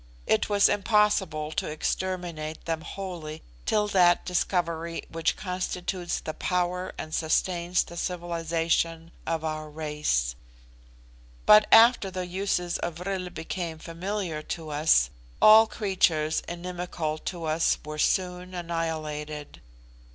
It was impossible to exterminate them wholly till that discovery which constitutes the power and sustains the civilisation of our race. But after the uses of vril became familiar to us, all creatures inimical to us were soon annihilated.